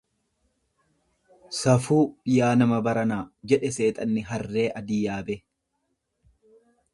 """Safuu yaa nama baranaa"" jedhe seexanni harree adii yaabee."